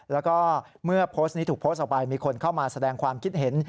แล้วก็เมื่อโพสต์นี้ถูกโพสต์ออกไปมีคนเข้ามาแสดงความคิดเห็น